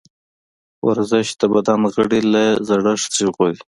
ورزش د بدن غړي له زړښت ژغوري.